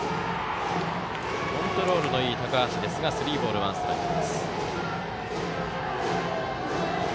コントロールのいい高橋ですがスリーボール、ワンストライク。